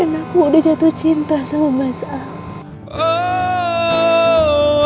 dan aku udah jatuh cinta sama mas al